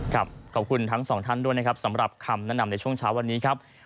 ขอบคุณทั้งสองท่านด้วยนะครับสำหรับคำแนะนำในช่วงเช้าวันนี้ครับ